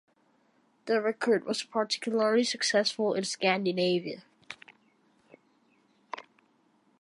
The record was particularly successful in Scandinavia.